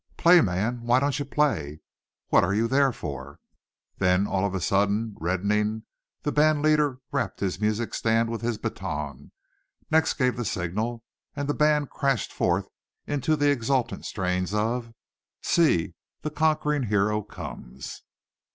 "Play, man! Why don't you play? What are you there for?" Then, all of a sudden, reddening, the band leader rapped his music stand with his baton, next gave the signal, and the band crashed forth into the exultant strains of: "See! The Conquering Hero comes!"